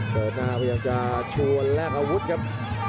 เดินหน้าพยายามจะชวนแลกอาวุธครับ